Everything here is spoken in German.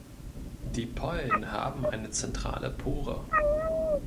Die Pollen haben eine zentrale Pore.